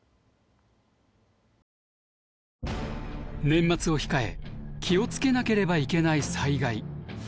年末を控え気を付けなければいけない災害。